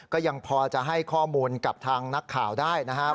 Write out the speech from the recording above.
ก็ยังพอจะให้ข้อมูลกับทางนักข่าวได้นะครับ